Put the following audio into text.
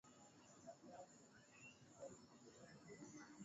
Tenga wanyama walioathirika hatua inayochukuliwa iwapo wanyama wachanga wameathirika